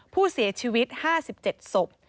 ผู้เสียชีวิต๕๗ศพ